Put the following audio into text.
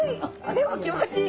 でも気持ちいい！